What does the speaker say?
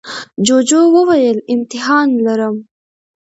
جوجو وویل امتحان لرم.